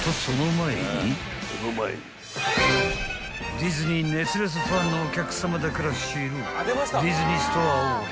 ［ディズニー熱烈ファンのお客さまだから知る］